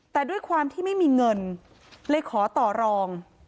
แต่ด้วยความที่ไม่มีเงินเลยขอต่อรอง